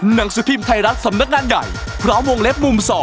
หนังสือพิมพ์ไทยรัฐสำนักงานใหญ่พร้อมวงเล็บมุม๒